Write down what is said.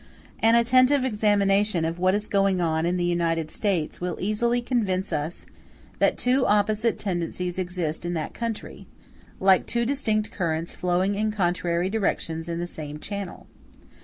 An attentive examination of what is going on in the United States will easily convince us that two opposite tendencies exist in that country, like two distinct currents flowing in contrary directions in the same channel.